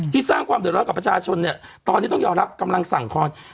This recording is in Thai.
สร้างความเดือดร้อนกับประชาชนเนี่ยตอนนี้ต้องยอมรับกำลังสั่งคอน